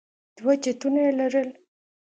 دوه چتونه يې لرل.